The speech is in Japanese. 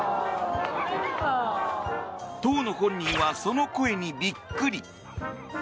当の本人は、その声にビックリ！